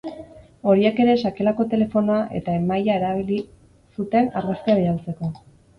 Horiek ere sakelako telefonoa eta emaila erabili zuten argazkia bidaltzeko.